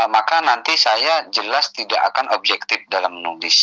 maka nanti saya jelas tidak akan objektif dalam menulis